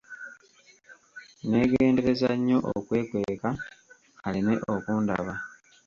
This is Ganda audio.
Neegendereza nnyo okwekweka aleme okundaba.